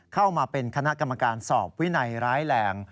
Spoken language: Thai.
เข้ามาเป็นคณะกรรมการสอบวินัยร้ายแรง